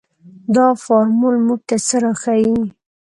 دا فارمول موږ ته څه راښيي.